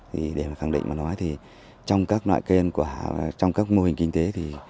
thì để mà khẳng định mà nói thì trong các loại kênh của hà trong các mô hình kinh tế thì